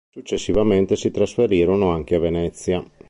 Successivamente si trasferirono anche a Venezia.